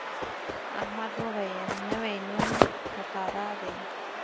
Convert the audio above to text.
احمد وویل نوی نوم تتارا دی.